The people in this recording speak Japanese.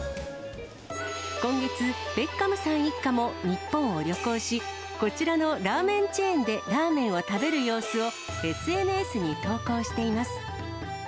今月、ベッカムさん一家も日本を旅行し、こちらのラーメンチェーンでラーメンを食べる様子をＳＮＳに投稿しています。